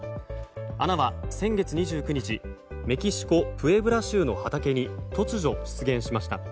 穴は先月２９日メキシコ・プエブラ州の畑に突如出現しました。